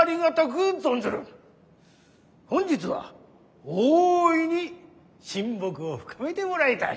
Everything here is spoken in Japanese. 本日は大いに親睦を深めてもらいたい。